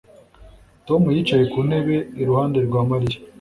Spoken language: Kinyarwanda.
Tom yicaye ku ntebe iruhande rwa Mariya